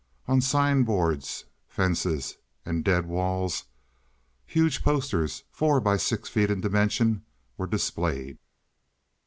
On sign boards, fences, and dead walls huge posters, four by six feet in dimension, were displayed.